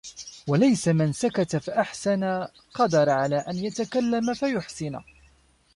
وَلَيْسَ مَنْ سَكَتَ فَأَحْسَنَ قَدَرَ عَلَى أَنْ يَتَكَلَّمَ فَيُحْسِنَ